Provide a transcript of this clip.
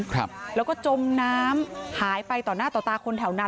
ครับแล้วก็จมน้ำหายไปต่อหน้าต่อตาคนแถวนั้น